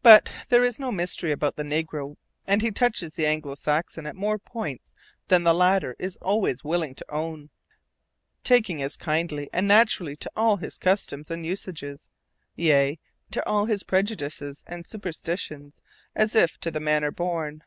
But there is no mystery about the negro, and he touches the Anglo Saxon at more points than the latter is always willing to own, taking as kindly and naturally to all his customs and usages, yea, to all his prejudices and superstitions, as if to the manner born.